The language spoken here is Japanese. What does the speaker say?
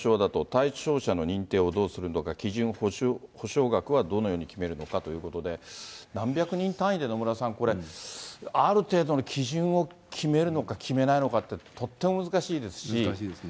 対象者の認定をどうするのか、基準、補償額はどのように決めるのかということで、何百人単位で、野村さん、これ、ある程度の基準を決めるのか、決めないのかって、とっても難しい難しいですね。